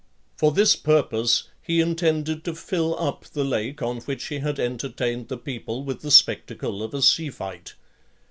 For this purpose, he intended to fill up the lake on which he had entertained the people with the spectacle of a sea fight.